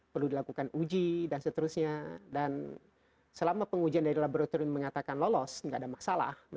perlu dilakukan uji dan seterusnya dan selama pengujian dari laboratorium mengatakan lolos nggak ada masalah